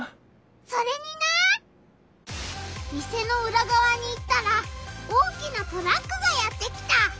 それにな店のうらがわに行ったら大きなトラックがやって来た！